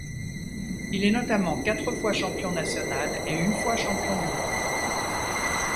Il est notamment quatre fois champion national et une fois champion du monde.